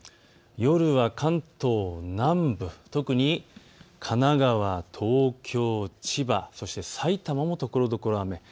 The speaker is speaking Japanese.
夜は、関東南部、特に神奈川、東京、千葉、そして埼玉もところどころ雨。